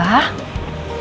nah yang itu ya